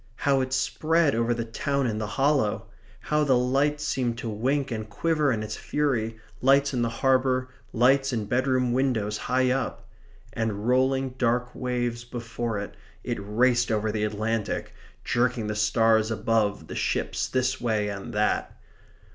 How it spread over the town in the hollow! How the lights seemed to wink and quiver in its fury, lights in the harbour, lights in bedroom windows high up! And rolling dark waves before it, it raced over the Atlantic, jerking the stars above the ships this way and that.